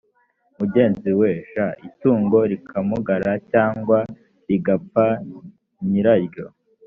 mugenzi we j itungo rikamugara cyangwa rigapfa nyiraryo